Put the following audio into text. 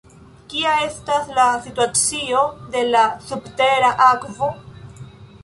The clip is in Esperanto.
Kia estas la situacio de la subtera akvo?